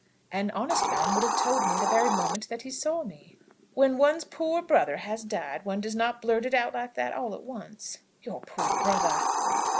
"An honest man would have told me the very moment that he saw me." "When one's poor brother has died, one does not blurt it like that all at once." "Your poor brother!"